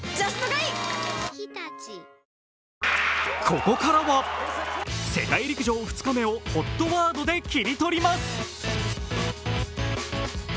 ここからは世界陸上２日目をホットワードで切り取ります。